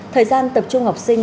thời gian tập trung học sinh